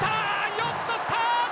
よく捕った！